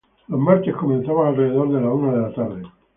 Los martes comenzaban alrededor de la una de la tarde.